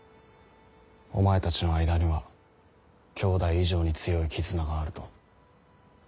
お前たちの間には兄弟以上に強い絆があると。